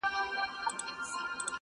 او کمزوری او مات ښکاري،